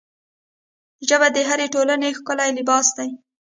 ژبه د هرې ټولنې ښکلی لباس دی